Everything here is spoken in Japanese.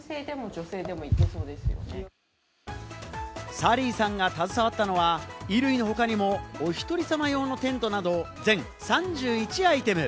サリーさんが携わったのは衣類の他にもお１人様用のテントなど、全３１アイテム。